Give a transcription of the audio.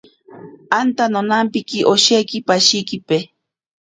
Anta nonampiki osheki pashikipe.